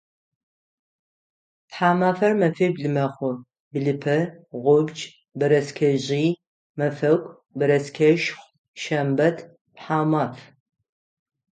Тхьамафэр мэфибл мэхъу: блыпэ, гъубдж, бэрэскэжъый, мэфэку, бэрэскэшху, шэмбэт, тхьаумаф.